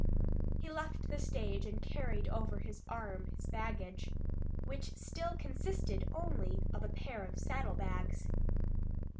He left the stage and carried over his arm his baggage, which still consisted only of a pair of saddle bags.